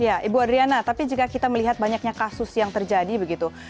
ya ibu adriana tapi jika kita melihat banyaknya kasus yang terjadi begitu